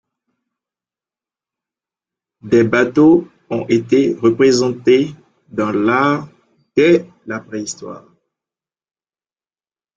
Des bateaux ont été représentés dans l'art dès la préhistoire.